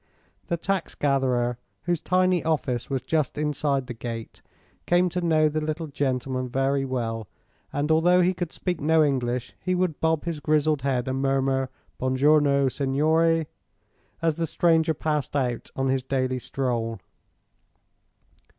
The tax gatherer whose tiny office was just inside the gate came to know the little gentleman very well, and although he could speak no English he would bob his grizzled head and murmur: "Buon giorno, signore!" as the stranger passed out on his daily stroll.